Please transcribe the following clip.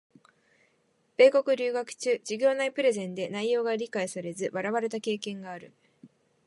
米国留学中、授業内プレゼンで内容が理解されず笑われた経験がある。